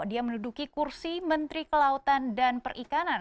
dia menduduki kursi menteri kelautan dan perikanan